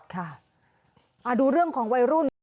ค่ะดูเรื่องของวัยรุ่นค่ะ